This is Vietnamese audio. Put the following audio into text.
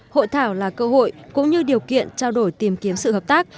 hội thảo là cơ hội cũng như điều kiện trao đổi tìm kiếm sự hợp tác